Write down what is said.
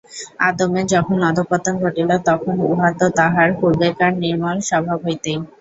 আদমের যখন অধঃপতন ঘটিল, তখন উহা তো তাঁহার পূর্বেকার নির্মল স্বভাব হইতেই।